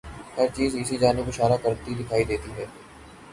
ہر چیز اسی جانب اشارہ کرتی دکھائی دیتی ہے۔